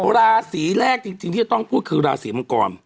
ราศีแรกจริงที่จะต้องพูดคือราศีมังกร